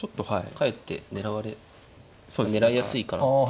かえって狙われ狙いやすいかなって。